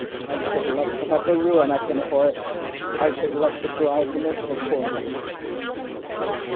I should like to have the ruining of him for it. I should like to drive him into the poor house."